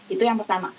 itu yang pertama